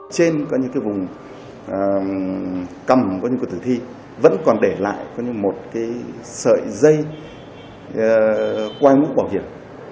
trên vùng cầm của thử thi vẫn còn để lại một sợi dây quai mũ bảo hiểm